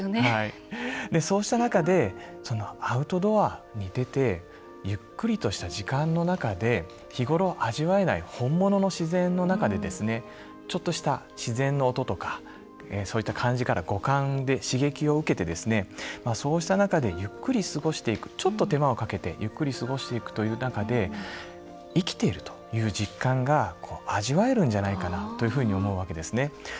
そうした中でアウトドアに出てゆっくりとした時間の中で日頃、味わえない本物の自然の中でちょっとした自然の音とかそういった感じ方、五感で刺激を受けて、そうした中でちょっと手間をかけてゆっくり過ごしていくという中で生きているという実感が味わえるんじゃないかなと思うわけなんですね。